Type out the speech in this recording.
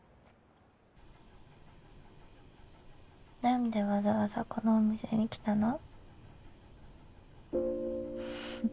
なんでわざわざこのお店に来たの？